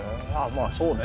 まあそうね。